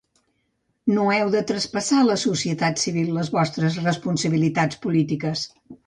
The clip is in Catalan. No heu de traspassar a la societat civil les vostres responsabilitats polítiques.